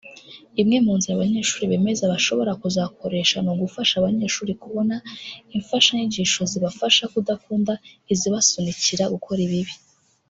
Imwe mu nzira aba banyehuri bemeza bashobora kuzakoresha ni ugufasha abanyeshuri kubona imfashanyigisho zibafasha kudkunda izibasunikira gukora ibibi